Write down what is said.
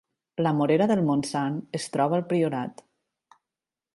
La Morera de Montsant es troba al Priorat